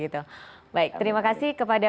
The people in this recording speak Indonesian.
terima kasih kepada